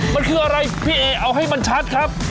มันคืออะไรพี่เอเอาให้มันชัดครับ